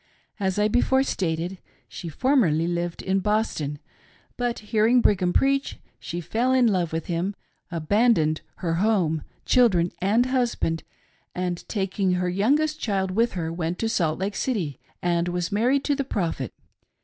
As I before stated, she formerly lived in Boston, but hearing Brig ham preach, she fell in love with him, abandoned her home, children, and husband, and, taking her youngest child with her, went to Salt Lake City, and was married to the Prophet.